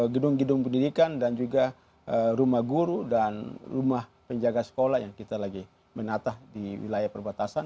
gedung gedung pendidikan dan juga rumah guru dan rumah penjaga sekolah yang kita lagi menatah di wilayah perbatasan